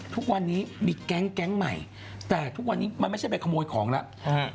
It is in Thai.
ทุกวันนี้มีแก๊งแก๊งใหม่แต่ทุกวันนี้มันไม่ใช่ไปขโมยของแล้ว